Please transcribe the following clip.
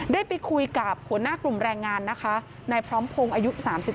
ได้ไปคุยกับหัวหน้ากลุ่มแรงงานนะคะนายพร้อมพงศ์อายุ๓๓